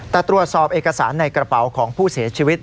แต่ตรวจสอบเอกสารในกระเป๋าของผู้เสียชีวิต